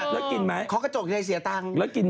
แล้วกินไหมคล้อกกระจกในเสียตังค์จะเหลือเหรอไม่กินนะ